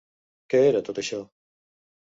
Què era tot això?